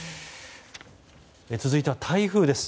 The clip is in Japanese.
続いては台風です。